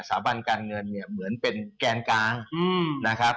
บันการเงินเนี่ยเหมือนเป็นแกนกลางนะครับ